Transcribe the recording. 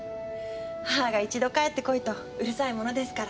母が一度帰ってこいとうるさいものですから。